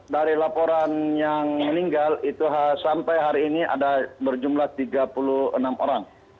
dari laporan yang meninggal itu sampai hari ini ada berjumlah tiga puluh enam orang